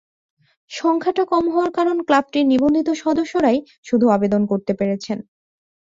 সংখ্যাটা কম হওয়ার কারণ ক্লাবটির নিবন্ধিত সদস্যরাই শুধু আবেদন করতে পেরেছেন।